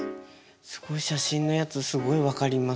すごい写真のやつすごい分かります。